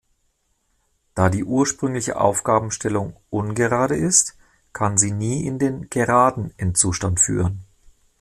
Da die ursprüngliche Aufgabenstellung "ungerade" ist, kann sie nie in den "geraden" Endzustand führen.